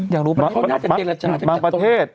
อยากรู้ประเทศอื่นเขาอย่างไงเนาะ